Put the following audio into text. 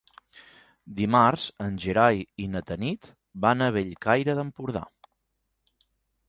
Dimarts en Gerai i na Tanit van a Bellcaire d'Empordà.